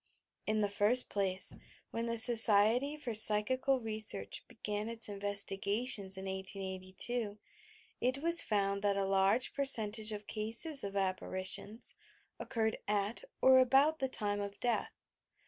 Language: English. In the first place, when the Society for Psychical Re search began its investigations in 1882, it was found that a large percentage of cases of apparitions occurred at or about the time of death.